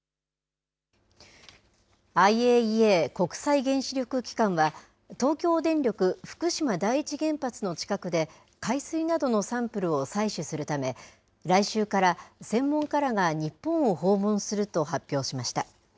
ＩＡＥＡ・国際原子力機関は、東京電力福島第一原発の近くで、海水などのサンプルを採取するため、来週から専門家らが日本を訪問すると発表しました。